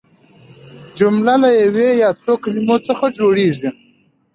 جمله له یوې یا څو کلیمو څخه جوړیږي.